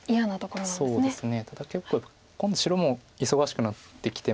ただ結構今度白も忙しくなってきてまして。